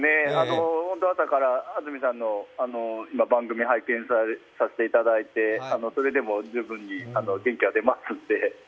朝から安住さんの今、番組を拝見させていただいて、それでも十分に元気が出ますんで。